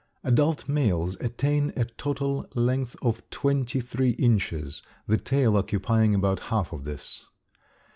Adult males attain a total length of twenty three inches, the tail occupying about half of this.